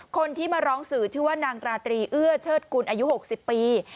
คนที่มาร้องสื่อชื่อว่านางราตรีเอื้อเชิดกุลอายุ๖๐ปี